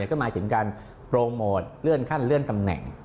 ก็หมายถึงการโปรโมทเลื่อนขั้นเลื่อนตำแหน่ง